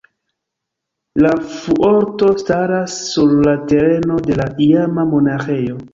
La fuorto staras sur la tereno de la iama monaĥejo.